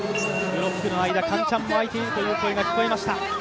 ブロックの間、カンチャンも空いているという声が聞こえました。